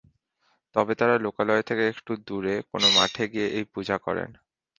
তবে তারা লোকালয় থেকে একটু দূরে কোনো মাঠে গিয়ে এই পূজা করেন।